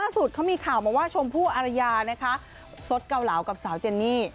สุดเขามีข่าวมาว่าชมพู่อารยานะคะสดเกาเหลากับสาวเจนนี่